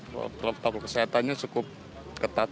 dan protokol kesehatannya cukup ketat